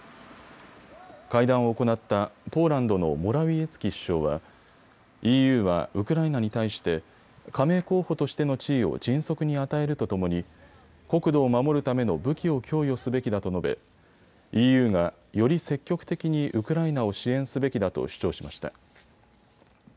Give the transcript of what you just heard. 会談を行ったポーランドのモラウィエツキ首相はＥＵはウクライナに対して加盟候補としての地位を迅速に与えるとともに国土を守るための武器を供与すべきだと述べＥＵは、より積極的にウクライナを支援すべきだと主張しました。